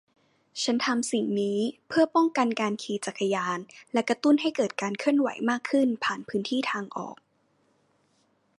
ฉันทำสิ่งนี้เพื่อป้องกันการขี่จักรยานและกระตุ้นให้เกิดการเคลื่อนไหวมากขึ้นผ่านพื้นที่ทางออก